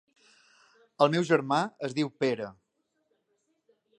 El meu germà es diu Pere.